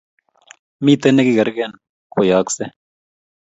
Miten ne kikren koyaakse